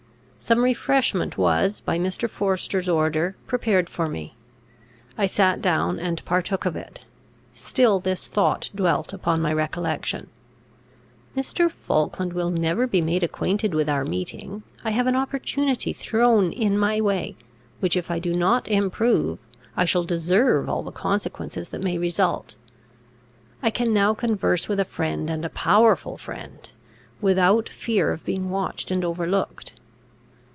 Some refreshment was, by Mr. Forester's order, prepared for me; I sat down, and partook of it. Still this thought dwelt upon my recollection: "Mr. Falkland will never be made acquainted with our meeting; I have an opportunity thrown in my way, which if I do not improve, I shall deserve all the consequences that may result. I can now converse with a friend, and a powerful friend, without fear of being watched and overlooked."